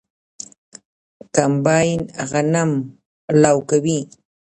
کمباین غنم لو کوي.